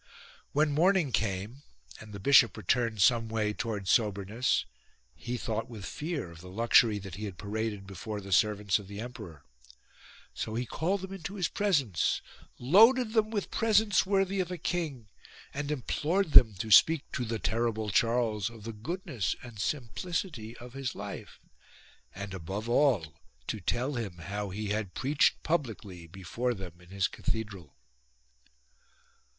When morning came and the bishop returned some way towards soberness, he thought with fear of the luxury that he had paraded before the servants of the emperor. So he called them into his presence, loaded them with presents worthy of a king, and implored them to speak to the terrible Charles of the goodness 86 THE COMMISSIONERS' REPORT and simplicity of his life ; and above all to tell him how he had preached publicly before them in his cathedral.